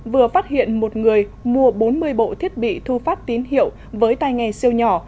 vừa phát hiện một người mua bốn mươi bộ thiết bị thu phát tín hiệu với tay nghề siêu nhỏ